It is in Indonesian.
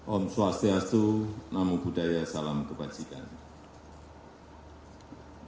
om swastiastu namo buddhaya salam kebajikan